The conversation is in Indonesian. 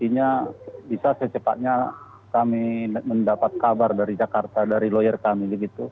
artinya bisa secepatnya kami mendapat kabar dari jakarta dari lawyer kami